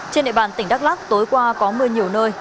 trên địa bàn tỉnh đắk lắc tối qua có mưa nhiều nơi